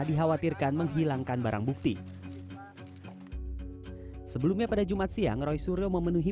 dikhawatirkan menghilangkan barang bukti sebelumnya pada jumat siang roy suryo memenuhi